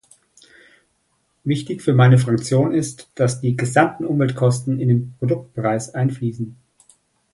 Wichtig für meine Fraktion ist, dass die gesamten Umweltkosten in den Produktpreis einfließen.